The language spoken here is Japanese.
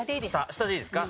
下でいいですか？